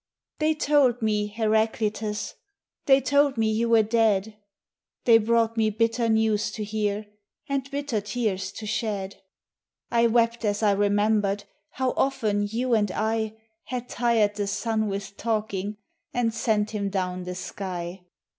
They told me, Heracleitus, they told me you were dead ; They brought me bitter news to hear and bit tears to shed. I wept as I remembered, how often you and I Had tired the sun with talking and sent him down the sky.